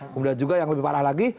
kemudian juga yang lebih parah lagi